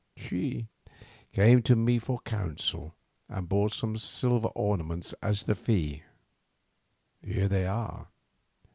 She came to me for counsel and brought some silver ornaments as the fee. Here they are."